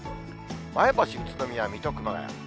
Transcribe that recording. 前橋、宇都宮、水戸、熊谷。